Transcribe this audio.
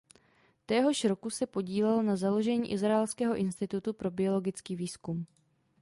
Téhož roku se podílel na založení Izraelského institutu pro biologický výzkum.